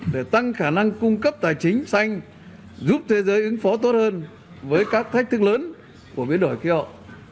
để tăng khả năng cung cấp tài chính xanh giúp thế giới ứng phó tốt hơn với các thách thức lớn của biến đổi khí hậu